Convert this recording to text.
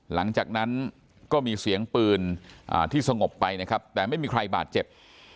หลังจากนั้นก็มีเสียงปืนที่สงบไปนะครับแต่ไม่มีใครบาดเจ็บ